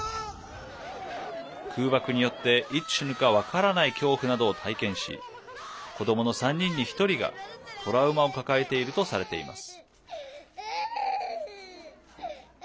空爆によって、いつ死ぬか分からない恐怖などを体験し子どもの３人に１人がトラウマを抱えているとされています。